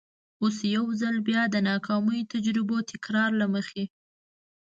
اوس یو ځل بیا د ناکامو تجربو تکرار له مخې.